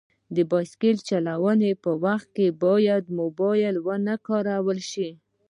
د بایسکل چلولو په وخت باید موبایل ونه کارول شي.